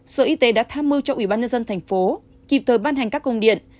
sở y tế đã tham mưu cho ubnd thành phố kịp thời ban hành các công điện